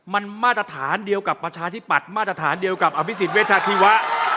มันมาตรฐานเดียวกับประชาธิปัตย์มาตรฐานเดียวกับอภิษฎเวทธิวะ